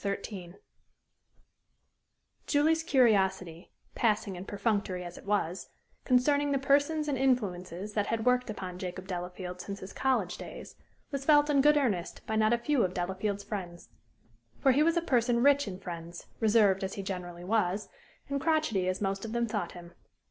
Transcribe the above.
XIII Julie's curiosity passing and perfunctory as it was concerning the persons and influences that had worked upon Jacob Delafield since his college days, was felt in good earnest by not a few of Delafield's friends. For he was a person rich in friends, reserved as he generally was, and crotchety as most of them thought him.